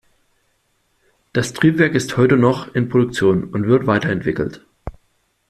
Das Triebwerk ist heute noch in Produktion und wird weiterentwickelt.